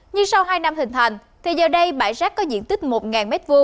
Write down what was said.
nhưng sau hai năm hình thành thì giờ đây bãi rác có diện tích một m hai